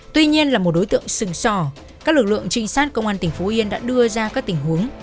tuy nhiên là một đối tượng sừng sò các lực lượng trinh sát công an tỉnh phú yên đã đưa ra các tình huống